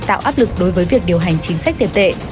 tạo áp lực đối với việc điều hành chính sách tiền tệ